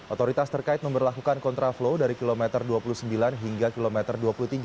otoritas terkait memperlakukan kontraflow dari kilometer dua puluh sembilan hingga kilometer dua puluh tiga